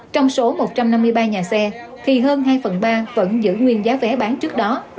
trong số một trăm năm mươi ba nhà xe thì hơn hai phần ba vẫn giữ nguyên giá vé bán trước đó